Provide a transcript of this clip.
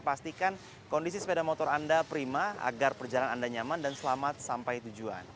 pastikan kondisi sepeda motor anda prima agar perjalanan anda nyaman dan selamat sampai tujuan